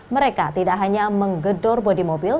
mereka tidak hanya menggedor bodi mobil